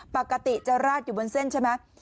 ปกติจะราดอยู่บนเส้นใช่ไหม